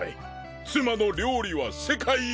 妻の料理は世界一！